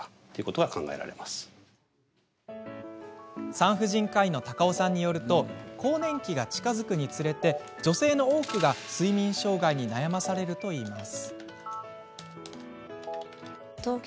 産婦人科医の高尾さんによると更年期が近づくにつれ女性の多くが睡眠障害に悩まされるといいます。